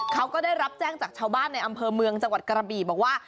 เขาก็ได้รับแจ้งจากชาวบ้านในอำเภอเมืองจังหวัดกระบี่บอกว่า